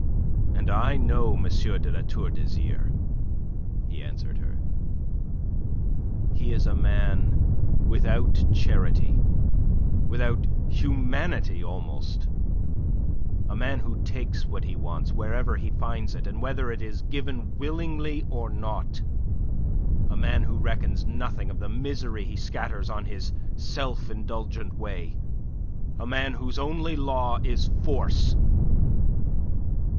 And I know M. de La Tour d'Azyr," he answered her. "He is a man without charity, without humanity almost; a man who takes what he wants wherever he finds it and whether it is given willingly or not; a man who reckons nothing of the misery he scatters on his self indulgent way; a man whose only law is force.